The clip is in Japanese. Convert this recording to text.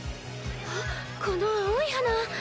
あっこの青い花。